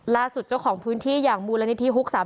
เจ้าของพื้นที่อย่างมูลนิธิฮุก๓๓